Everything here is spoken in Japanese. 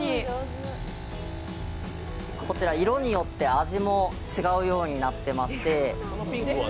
色によって味も違うようになってまして。